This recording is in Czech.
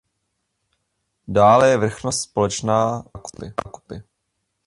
Dále je vrchnost společná se Zákupy.